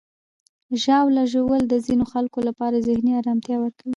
ژاوله ژوول د ځینو خلکو لپاره ذهني آرامتیا ورکوي.